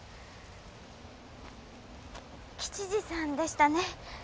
吉次さんでしたね。